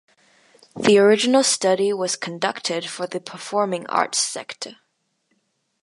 The original study was conducted for the performing arts sector.